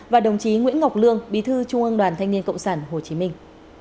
và đồng chí nguyễn ngọc lương bí thư trung ương đoàn thanh niên cộng sản hồ chí minh